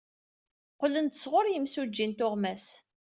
Qqlen-d sɣur yimsujji n tuɣmas.